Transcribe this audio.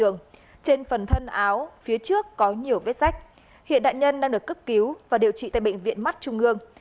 nạn nhân đang được cấp cứu và điều trị tại bệnh viện mắt trung ương